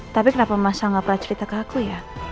tapi kenapa masa gak pernah cerita ke aku ya